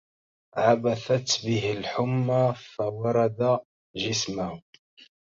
عبثت به الحمى فورد جسمه